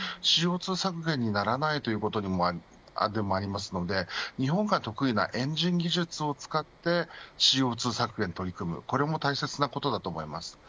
ＣＯ２削減にならないということにもなりますので日本が得意なエンジン技術を使ってＣＯ２削減に取り組むということが大切になります。